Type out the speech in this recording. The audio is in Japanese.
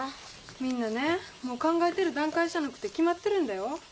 みんなねもう考えてる段階じゃなくて決まってるんだよ。